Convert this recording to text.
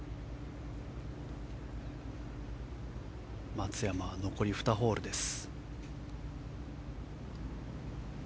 松山は残り２ホールです。